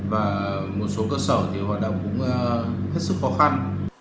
và một số cơ sở thì hoạt động cũng hết sức khó khăn